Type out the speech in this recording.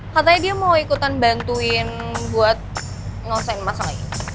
katanya dia mau ikutan bantuin buat ngosain masa lagi